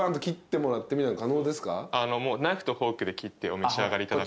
もうナイフとフォークで切ってお召し上がりいただく。